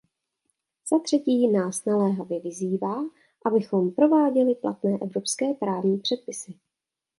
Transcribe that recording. Zatřetí nás naléhavě vyzývá, abychom prováděli platné evropské právní předpisy.